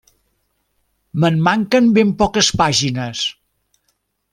-Me'n manquen ben poques pàgines.